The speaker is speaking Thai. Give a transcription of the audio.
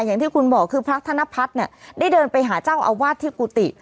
อย่างที่คุณบอกคือพระธนพัฒน์เนี่ยได้เดินไปหาเจ้าอาวาสที่กุฏิ